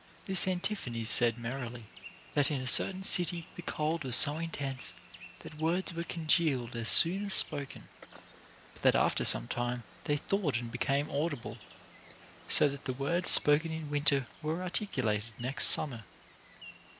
This Antiphanes said merrily, that in a certain city the cold was so intense that words were congealed as soon as spoken, but that after some time they thawed and became audible, so that the words spoken in winter were articulated next summer.